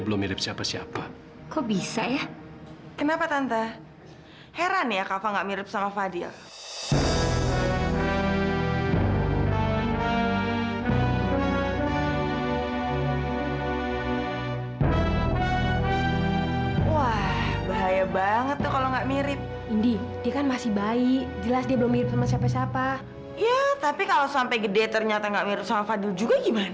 bukan berarti kamu berdiri setingguh sama fadil kan